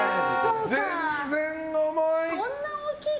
全然重い！